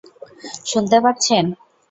শুনতে পাচ্ছেন?